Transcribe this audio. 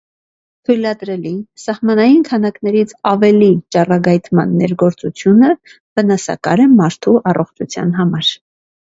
Թույլատրելի՝ սահմանային քանակներից ավելի ճառագայթման ներգործությունը վնասակար է մարդու առողջության համար։